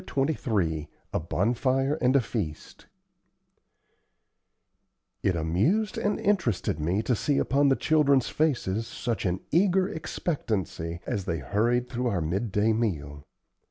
CHAPTER XXIII A BONFIRE AND A FEAST It amused and interested me to see upon the children's faces such an eager expectancy as they hurried through our midday meal.